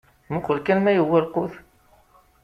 Muqqel kan ma yewwa lqut?